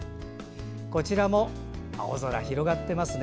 こちらも青空広がっていますね。